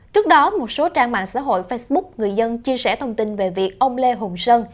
trước đó một số trang mạng xã hội facebook người dân chia sẻ thông tin về việc ông lê hùng sơn